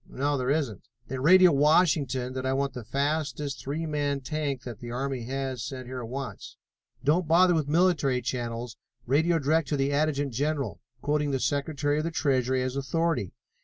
"No, there isn't." "Then radio Washington that I want the fastest three man tank that the army has sent here at once. Don't bother with military channels, radio direct to the Adjutant General, quoting the Secretary of the Treasury as authority.